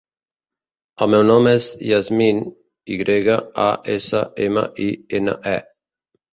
El meu nom és Yasmine: i grega, a, essa, ema, i, ena, e.